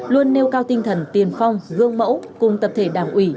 luôn nêu cao tinh thần tiền phong gương mẫu cùng tập thể đảng ủy